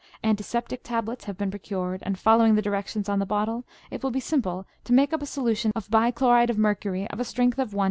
Antiseptic tablets have been procured, and, following the directions on the bottle, it will be simple to make up a solution of bichlorid of mercury of a strength of 1 1,000.